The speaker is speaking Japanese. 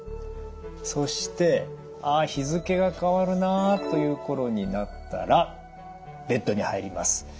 そしてあ日付が変わるなという頃になったらベッドに入ります。